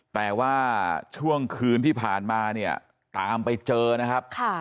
แต่ว่าช่วงคืนที่ผ่านมาเนี่ยตามไปเจอนะครับ